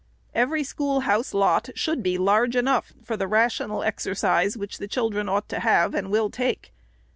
Every schoolhouse lot should be large enough for the rational exercise which the children ought to have, and will take.